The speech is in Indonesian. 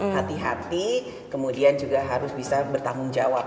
hati hati kemudian juga harus bisa bertanggung jawab